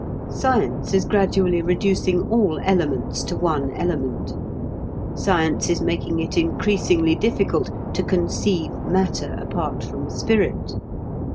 Science is gradually reducing all elements to one element. Science is making it increasingly difficult to conceive matter apart from spirit.